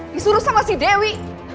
disuruh sama si dewi